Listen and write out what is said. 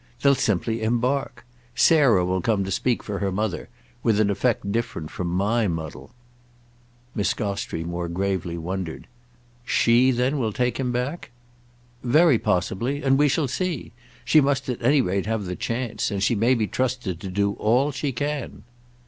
They'll simply embark. Sarah will come to speak for her mother—with an effect different from my muddle." Miss Gostrey more gravely wondered. "She then will take him back?" "Very possibly—and we shall see. She must at any rate have the chance, and she may be trusted to do all she can."